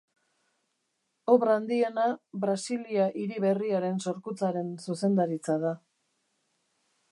Obra handiena, Brasilia hiri berriaren sorkuntzaren zuzendaritza da.